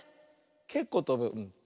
けっこうとぶ。